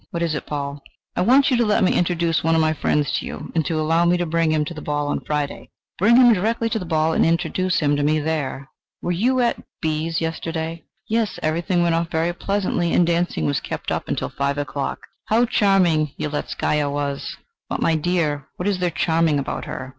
"What is it, Paul?" "I want you to let me introduce one of my friends to you, and to allow me to bring him to the ball on Friday." "Bring him direct to the ball and introduce him to me there. Were you at B 's yesterday?" "Yes; everything went off very pleasantly, and dancing was kept up until five o'clock. How charming Yeletzkaya was!" "But, my dear, what is there charming about her?